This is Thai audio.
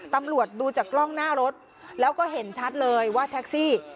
ตำรวจดูจากกล้องหน้ารถแล้วก็เห็นชัดเลยว่าแท็กซี่